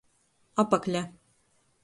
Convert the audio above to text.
Apakle.